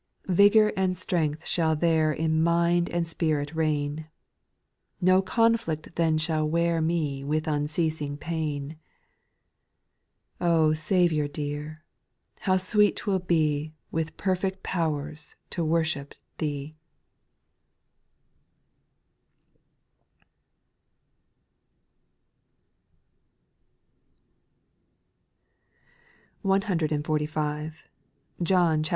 Vigour and strength shall there In mind and spirit reign, ITo conflict then shall wear Me with unceasing pain. Oh, Saviour dear ! how sweet 't will be With perfect pow'rs to worship Thee. f. 145. John xiv. 14.